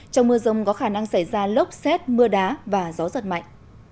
trong mưa rông có khả năng xảy ra lốc xét mưa đá và gió giật mạnh